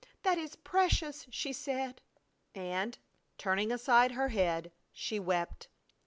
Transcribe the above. That is precious," she said, and, turning aside her head, she wept.